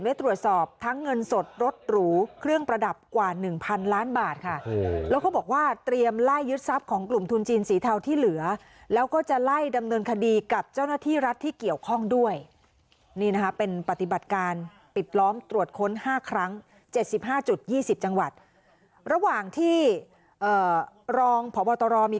ตรวจสอบทั้งเงินสดรถหรูเครื่องประดับกว่าหนึ่งพันล้านบาทค่ะแล้วก็บอกว่าเตรียมไล่ยึดทรัพย์ของกลุ่มทุนจีนสีเทาที่เหลือแล้วก็จะไล่ดำเนินคดีกับเจ้าหน้าที่รัฐที่เกี่ยวข้องด้วยนี่นะคะเป็นปฏิบัติการปิดล้อมตรวจค้น๕ครั้ง๗๕จุด๒๐จังหวัดระหว่างที่รองพบตรมี